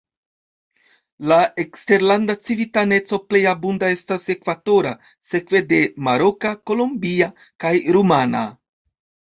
La eksterlanda civitaneco plej abunda estas ekvatora, sekve de maroka, kolombia kaj rumana.